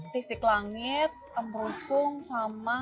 tisik langit ember usung sama